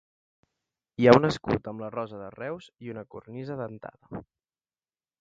Hi ha un escut amb la rosa de Reus i una cornisa dentada.